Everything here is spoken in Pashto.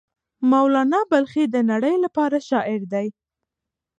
مولانا بلخي د نړۍ لپاره شاعر دی.